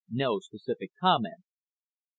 NO SPECIFIC COMMENT Q.